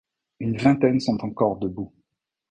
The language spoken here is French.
Une vingtaine sont encore debout.